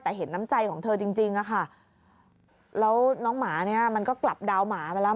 แต่เห็นน้ำใจของเธอจริงจริงอะค่ะแล้วน้องหมาเนี่ยมันก็กลับดาวหมาไปแล้ว